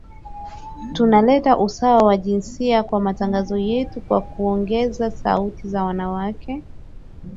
tuna leta usawa wa jinsia kwenye matangazo yetu kwa kuongeza sauti za wanawake